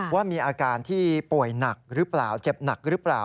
ว่ามีอาการที่ป่วยหนักหรือเปล่าเจ็บหนักหรือเปล่า